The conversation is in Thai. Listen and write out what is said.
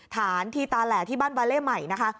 ฐานที่ตาแหล่ที่บ้านบาเล่ใหม่นะคะ